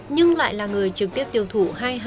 nhưng lại là người trực tiếp tiêu thụ